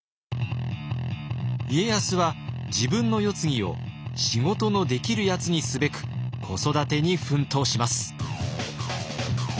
家康は自分の世継ぎを仕事のできるやつにすべく子育てに奮闘します。